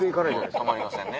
止まりませんね。